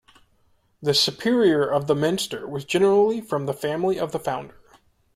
The superior of the minster was generally from the family of the founder.